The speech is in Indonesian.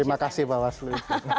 terima kasih pak bawaslu